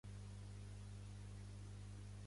A la mare també li hauria agradat menjar micacos